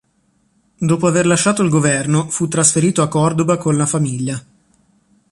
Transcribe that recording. Dopo aver lasciato il governo fu trasferito a Córdoba con la famiglia.